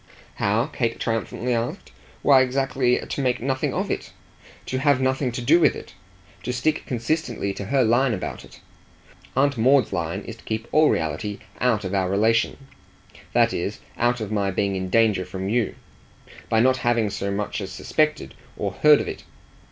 "How?" Kate triumphantly asked. "Why exactly to make nothing of it, to have nothing to do with it, to stick consistently to her line about it. Aunt Maud's line is to keep all reality out of our relation that is out of my being in danger from you by not having so much as suspected or heard of it.